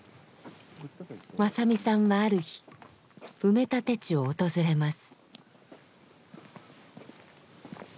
正実さんはある日埋め立て地を訪れます。